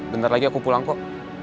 bentar lagi aku pulang kok